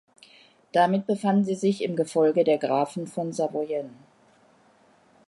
Damit befanden sie sich im Gefolge der Grafen von Savoyen.